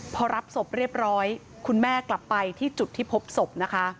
พอรับศพเรียบร้อยคุณแม่กลับไปที่จุดที่พบศพนะคะ